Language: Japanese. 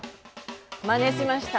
まねしました。